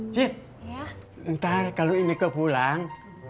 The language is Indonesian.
cit ntar kalau ine ke pulang